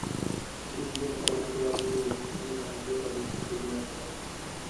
কিছু যেন তাঁহার উপর আরোপিত হইয়াছে, কিন্তু তাঁহার দেবভাবের কিছুতেই বিনাশ হয় না।